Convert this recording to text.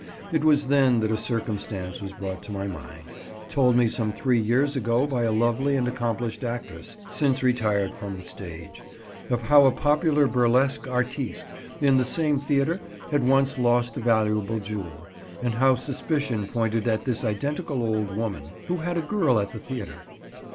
It was then that a circumstance was brought to my mind—told me some three years ago by a lovely and accomplished actress, since retired from the stage—of how a popular burlesque artiste in the same theatre had once lost a valuable jewel, and how suspicion pointed at this identical old woman, who had a girl at the theatre.